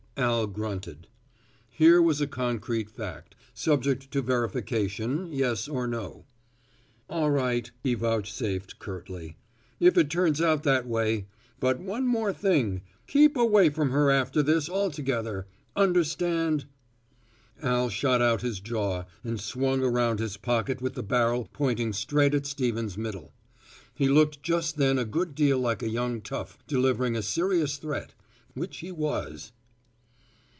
Al grunted. Here was a concrete fact subject to verification, yes or no. "All right," he vouchsafed curtly, "if it turns out that way but one more thing keep away from her after this altogether understand." Al shot out his jaw and swung around his pocket with the barrel pointing straight at Stevens' middle. He looked just then a good deal like a young tough delivering a serious threat, which he was.